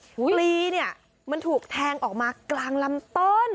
ปลีเนี่ยมันถูกแทงออกมากลางลำต้น